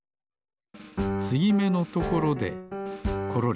つぎめのところでコロリ。